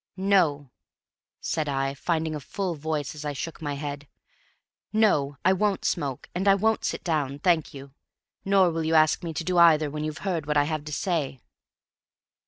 "No," said I, finding a full voice as I shook my head; "no, I won't smoke, and I won't sit down, thank you. Nor will you ask me to do either when you've heard what I have to say."